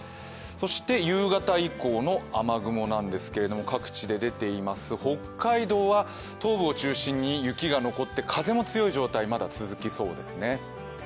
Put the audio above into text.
そして夕方以降の雨雲なんですけれども、各地で出ています、北海道は東部を中心に雪が残って風も強い状態がまだ続きそうですね。